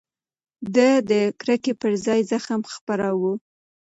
ده د کرکې پر ځای زغم خپراوه.